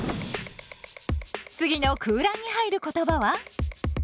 次の空欄に入る言葉は？